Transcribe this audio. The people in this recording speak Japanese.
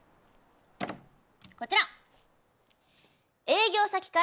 こちら。